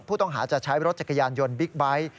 ผู้ต้องหาจะใช้รถจักรยานยนต์บิ๊กไบท์